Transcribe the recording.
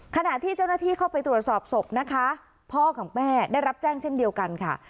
ขณะที่เจ้าหน้าที่เข้าไปตรวจสอบศพนะคะพ่อของแม่ได้รับแจ้งเช่นเดียวกันค่ะ